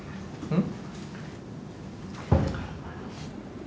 うん。